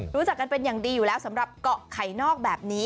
รู้จักกันเป็นอย่างดีอยู่แล้วสำหรับเกาะไข่นอกแบบนี้